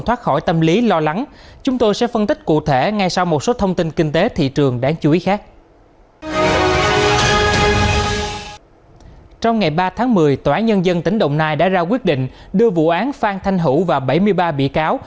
trong ngày ba tháng một mươi tòa án nhân dân tỉnh đồng nai đã ra quyết định đưa vụ án phan thanh hữu và bảy mươi ba bị cáo